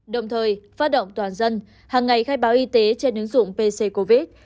đồng thời phát động toàn dân hàng ngày khai báo y tế trên ứng dụng pc covid